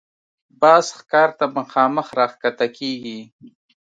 باز ښکار ته مخامخ راښکته کېږي